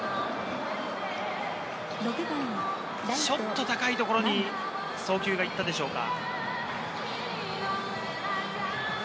ちょっと高いところに送球が行ったでしょうか。